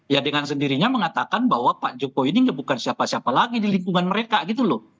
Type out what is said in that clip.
ya dengan sendirinya mengatakan bahwa pak jokowi ini bukan siapa siapa lagi di lingkungan mereka gitu loh